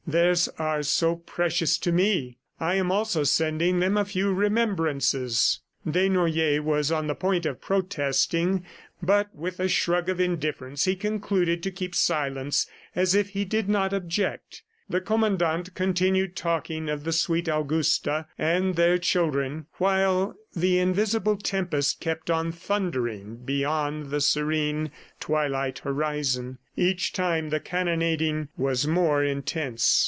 Theirs are so precious to me! ... I am also sending them a few remembrances." Desnoyers was on the point of protesting. ... But with a shrug of indifference, he concluded to keep silence as if he did not object. The Commandant continued talking of the sweet Augusta and their children while the invisible tempest kept on thundering beyond the serene twilight horizon. Each time the cannonading was more intense.